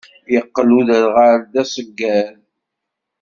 Iqqel uderɣal d aṣeggad.